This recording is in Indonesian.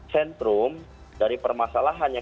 sentrum dari permasalahannya